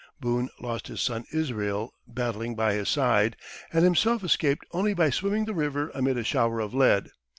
Boone lost his son Israel, battling by his side, and himself escaped only by swimming the river amid a shower of lead.